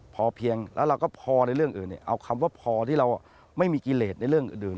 พอเพียงแล้วเราก็พอในเรื่องอื่นเอาคำว่าพอที่เราไม่มีกิเลสในเรื่องอื่น